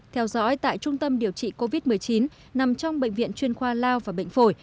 theo dõi tại trung tâm điều trị covid một mươi chín nằm trong bệnh viện chuyên khoa lao và bệnh phổi